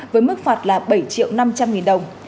với mức phạt là bảy triệu năm trăm linh nghìn đồng